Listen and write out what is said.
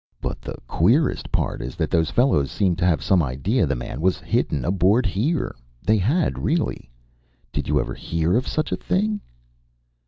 But the queerest part is that those fellows seemed to have some idea the man was hidden aboard here. They had really. Did you ever hear of such a thing?"